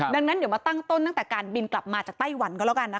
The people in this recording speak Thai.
ดังนั้นเดี๋ยวมาตั้งต้นตั้งแต่การบินกลับมาจากไต้หวันก็แล้วกันนะคะ